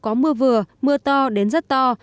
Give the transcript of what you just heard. có mưa vừa mưa to đến rất to